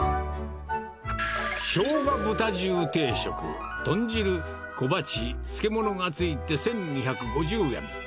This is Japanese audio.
生姜豚重定食、豚汁、小鉢、漬物が付いて１２５０円。